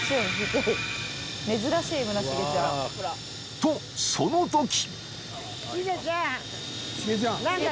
［とそのとき！］